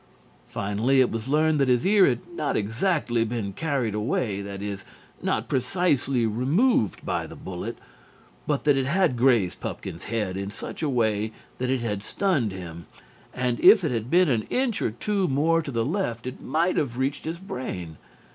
Finally it was learned that his ear had not exactly been carried away, that is, not precisely removed by the bullet, but that it had grazed Pupkin's head in such a way that it had stunned him, and if it had been an inch or two more to the left it might have reached his brain.